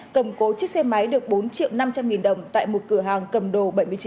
cầm cố chiếc xe máy được bốn triệu năm trăm linh nghìn đồng tại một cửa hàng cầm đồ bảy mươi chín